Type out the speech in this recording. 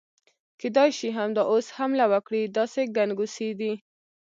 کېدای شي همدا اوس حمله وکړي، داسې ګنګوسې دي.